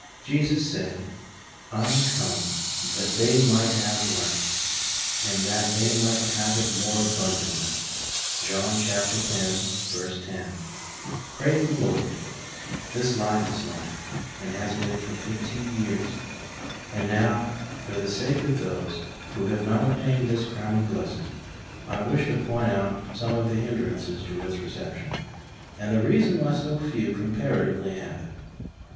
Jesus said :" I am come that they might have life, and that/ they might have it more abundantly" {John x. lo). Praise the Lord, this life is mine, and has been for fifteen years. And now, for the sake of those who have not obtained this crowning blessing, I wish to point out some of the hindrances to its reception and the reason why so few comparatively have it. I.